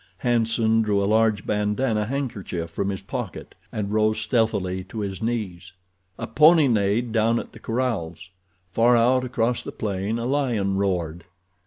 Hanson drew a large bandanna handkerchief from his pocket and rose stealthily to his knees. A pony neighed down at the corrals. Far out across the plain a lion roared.